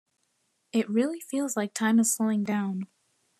It really feels like time is slowing down.